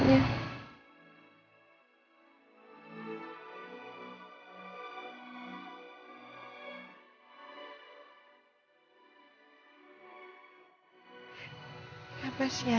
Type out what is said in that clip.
banyak yang mampu semuanya